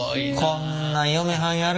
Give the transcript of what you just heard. こんなん嫁はん「やる」